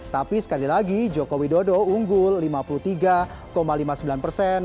tapi sekali lagi joko widodo unggul lima puluh tiga lima puluh sembilan persen